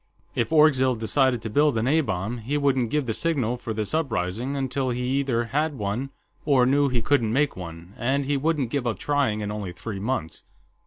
"If Orgzild decided to build an A bomb, he wouldn't give the signal for this uprising until he either had one or knew he couldn't make one, and he wouldn't give up trying in only three months.